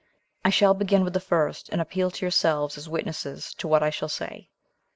I shall begin with the first, and appeal to yourselves as witnesses to what I shall say.